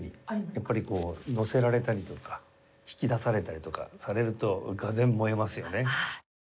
やっぱりこうのせられたりとか引き出されたりとかされるとがぜん燃えますよね。